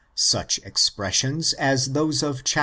Such expressions as those of viii.